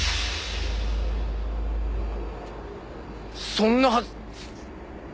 そんなはず。